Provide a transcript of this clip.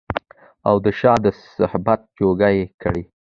او د شاه د صحبت جوګه يې کړي